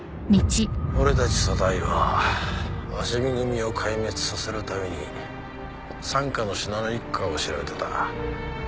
俺たち組対は鷲見組を壊滅させるために傘下の信濃一家を調べてた。